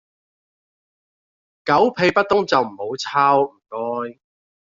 狗屁不通就唔好抄，唔該